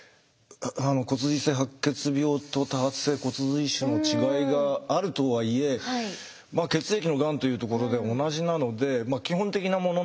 骨髄性白血病と多発性骨髄腫の違いがあるとはいえ血液のがんというところで同じなので基本的なものの考え方